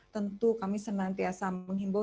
tentu kami senantiasa menghimbau